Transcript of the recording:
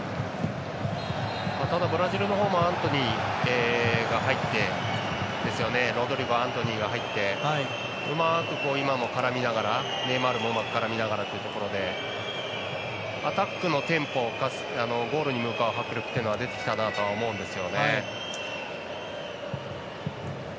ブラジルのほうもロドリゴ、アントニーが入ってうまく今も絡みながらネイマールもうまく絡みながらというところでアタックのテンポゴールに向かう迫力というのは出てきたなとは思うんですよね。